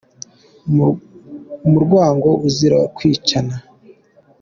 Umurwango uzira kwicana.